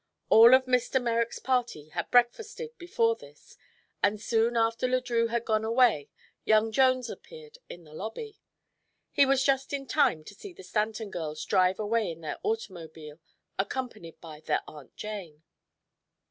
All of Mr. Merrick's party had breakfasted before this and soon after Le Drieux had gone away young Jones appeared in the lobby. He was just in time to see the Stanton girls drive away in their automobile, accompanied by their Aunt Jane.